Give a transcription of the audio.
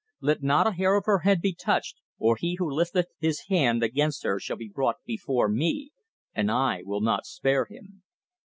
Let not a hair of her head be touched, or he who lifteth his hand against her shall be brought before me, and I will not spare him.